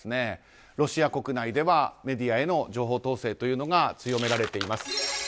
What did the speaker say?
ロシア国内ではメディアへの情報統制が強められています。